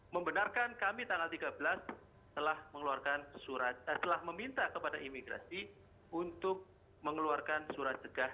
membenarkan kami tanggal tiga belas telah mengeluarkan surat telah meminta kepada imigrasi untuk mengeluarkan surat cegah